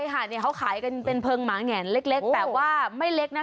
ใช่ค่ะเขาขายกันเป็นเพลิงหมาแงนเล็กแต่ว่าไม่เล็กนะ